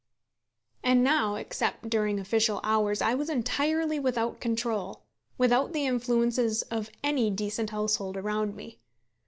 And now, except during official hours, I was entirely without control, without the influences of any decent household around me.